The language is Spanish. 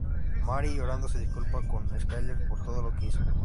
Marie llorando se disculpa con Skyler por todo lo que le hizo.